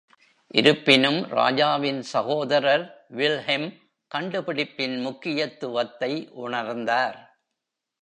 இருப்பினும், ராஜாவின் சகோதரர் வில்ஹெல்ம் கண்டுபிடிப்பின் முக்கியத்துவத்தை உணர்ந்தார்.